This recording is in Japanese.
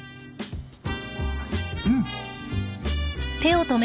うん。